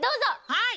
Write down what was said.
はい。